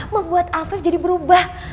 membuat afif jadi berubah